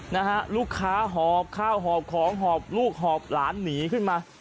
นะฮะลูกค้าหอบข้าวหอบของหอบลูกหอบหลานหนีขึ้นมา